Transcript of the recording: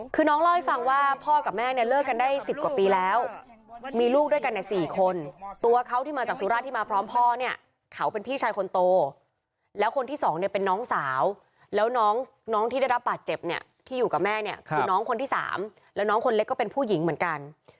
คือน้องเล่าให้ฟังว่าพ่อกับแม่เนี่ยเลิกกันได้๑๐กว่าปีแล้วมีลูกด้วยกันเนี่ย๔คนตัวเขาที่มาจากสุราชที่มาพร้อมพ่อเนี่ยเขาเป็นพี่ชายคนโตแล้วคนที่สองเนี่ยเป็นน้องสาวแล้วน้องที่ได้รับบาดเจ็บเนี่ยที่อยู่กับแม่เนี่ยคือน้องคนที่๓แล้วน้องคนเล็กก็เป็นผู้หญิงเหมือนกัน